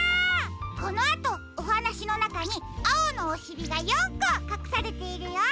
このあとおはなしのなかにあおのおしりが４こかくされているよ。